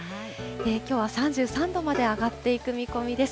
きょうは３３度まで上がっていく見込みです。